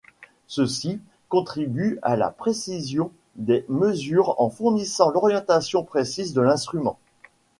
Ceux-ci contribuent à la précision des mesures en fournissant l'orientation précise de l'instrument.